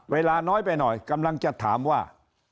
เวลาน้อยไปหน่อยกำลังจะถามว่า